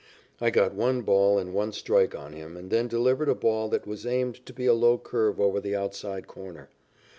I got one ball and one strike on him and then delivered a ball that was aimed to be a low curve over the outside corner.